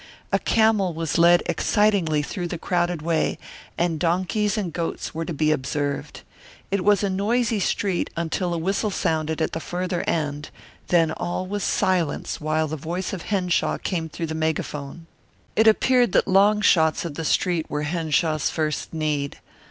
A camel was led excitingly through the crowded way, and donkeys and goats were to be observed. It was a noisy street until a whistle sounded at the farther end, then all was silence while the voice of Henshaw came through the megaphone. It appeared that long shots of the street were Henshaw's first need.